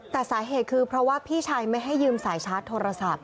แต่สาเหตุคือเพราะว่าพี่ชายไม่ให้ยืมสายชาร์จโทรศัพท์